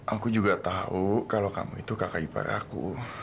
aku juga tahu kalau kamu itu kakak ipar aku